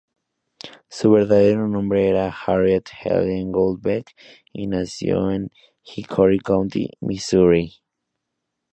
Su verdadero nombre era Harriet Helen Gould Beck, y nació en Hickory County, Missouri.